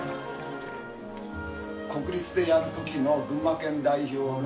国立でやるときの群馬県代表の。